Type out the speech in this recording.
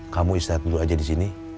kamu istirahat dulu aja disini